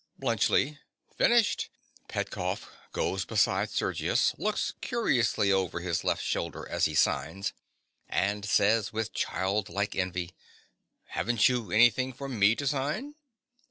BLUNTSCHLI. Finished. (Petkoff goes beside Sergius; looks curiously over his left shoulder as he signs; and says with childlike envy) Haven't you anything for me to sign?